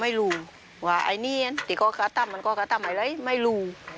ไม่รู้ว่าไอ้นี่อันแต่ก็กระต้ำมันก็กระต้ำไอ้เลยไม่รู้